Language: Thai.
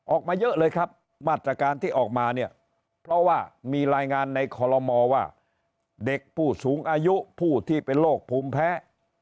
ออกมาเยอะเลยครับมาตรการที่ออกมาเนี่ยเพราะว่ามีรายงานในคอลโลมอว่าเด็กผู้สูงอายุผู้ที่เป็นโรคภูมิแพ้